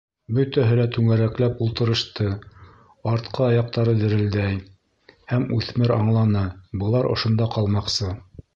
Бөтәһе лә түңәрәкләп ултырышты, артҡы аяҡтары дерелдәй, һәм үҫмер аңланы: былар ошонда ҡалмаҡсы.